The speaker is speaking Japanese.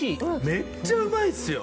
めっちゃうまいっすよ。